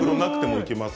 いけます。